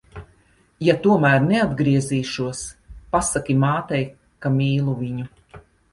Ja tomēr neatgriezīšos, pasaki mātei, ka mīlu viņu.